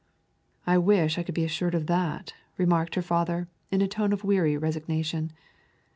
"I wish I could be assured of that," remarked her father in a tone of weary resignation.